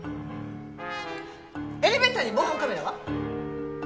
エレベーターに防犯カメラは？